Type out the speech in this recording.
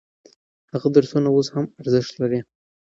هغه درسونه اوس هم ارزښت لري.